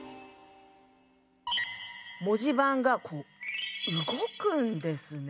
文字盤がこう動くんですね。